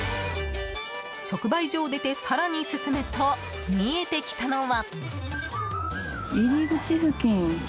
直売所を出て更に進むと見えてきたのは。